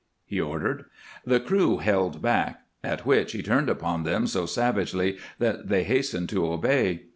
he ordered. The crew held back, at which he turned upon them so savagely that they hastened to obey.